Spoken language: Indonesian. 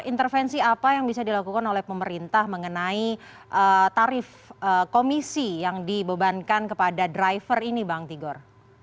intervensi apa yang bisa dilakukan oleh pemerintah mengenai tarif komisi yang dibebankan kepada driver ini bang tigor